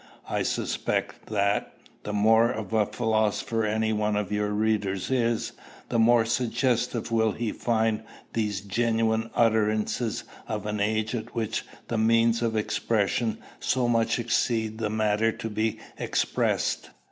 I suspect, that, the more of a philosopher any one of your readers is, the more suggestive will he find these genuine utterances of an age at which the means of expression so much exceed the matter to be expressed."